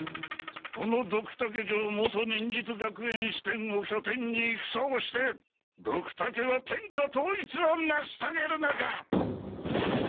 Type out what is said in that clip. このドクタケ城元忍術学園支店を拠点に戦をしてドクタケは天下統一をなしとげるのじゃ！